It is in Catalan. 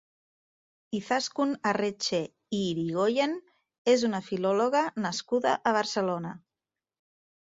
Izaskun Arretxe i Irigoien és una filòloga nascuda a Barcelona.